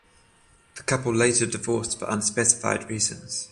The couple later divorced for unspecified reasons.